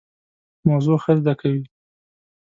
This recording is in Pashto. موضوع ښه زده کوي.